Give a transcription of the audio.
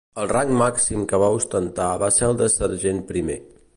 El rang màxim que va ostentar va ser el de sergent primer.